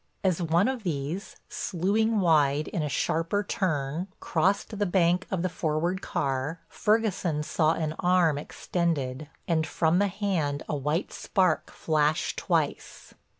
As one of these, slewing wide in a sharper turn, crossed the bank of the forward car, Ferguson saw an arm extended and from the hand a white spark flash twice.